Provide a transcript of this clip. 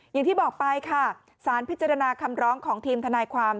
อย่างที่บอกไปค่ะสารพิจารณาคำร้องของทีมทนายความ